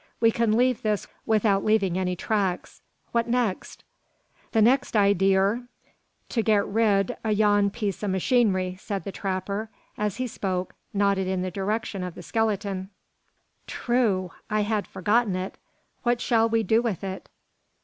We can leave this without leaving any tracks. What next?" "The next idee ur, to get rid o' yon piece o' machin'ry," and the trapper, as he spoke, nodded in the direction of the skeleton. "True! I had forgotten it. What shall we do with it?"